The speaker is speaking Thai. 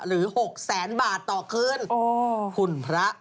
หรือ๖แสนบาทต่อคืนคุณพระ